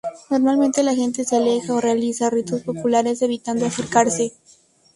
Normalmente la gente se aleja o realiza ritos populares evitando acercarse.